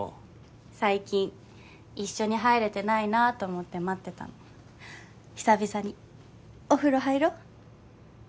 最近一緒に入れてないなと思って待ってたの久々にお風呂入ろ？